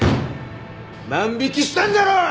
万引きしたんだろ！